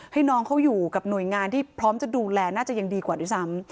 ให้น้องเขาอยู่กับหน่วยงานที่พร้อมจะดูแลน่าจะยังดีกว่าด้วยซ้ำ